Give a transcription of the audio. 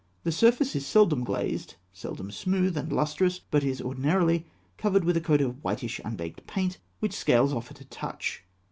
The surface is seldom glazed, seldom smooth and lustrous; but is ordinarily covered with a coat of whitish, unbaked paint, which scales off at a touch.